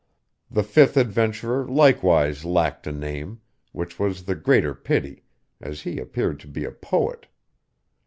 The fifth adventurer likewise lacked a name, which was the greater pity, as he appeared to be a poet.